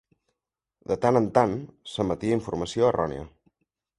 De tant en tant, s'emetia informació errònia.